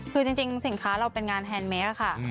คือจริงสินค้าเราเป็นงานแฮนดเมคค่ะ